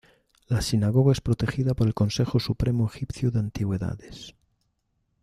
La sinagoga es protegida por el consejo supremo egipcio de antigüedades.